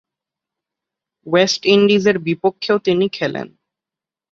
West ইন্ডিজের বিপক্ষেও তিনি খেলেন।